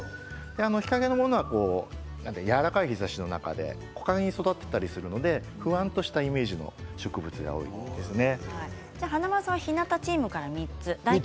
日陰のものはやわらかい日ざしの中で育っていたりするのでふんわりしたイメージの植物が多くなりますね。